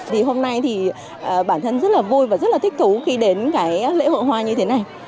thì hôm nay thì bản thân rất là vui và rất là thích thú khi đến cái lễ hội hoa như thế này